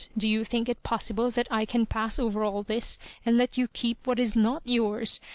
Do you think it possible that I can pass over all this, and let you keep what is not yours?